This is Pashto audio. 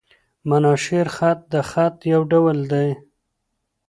مناشیر خط؛ د خط یو ډول دﺉ.